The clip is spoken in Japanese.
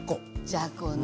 じゃこね。